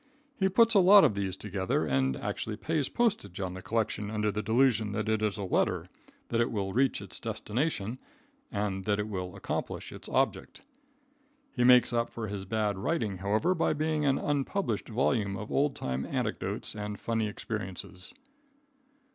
He puts a lot of these together and actually pays postage on the collection under the delusion that it is a letter, that it will reach its destination, and that it will accomplish its object. He makes up for his bad writing, however, by being an unpublished volume of old time anecdotes and funny experiences.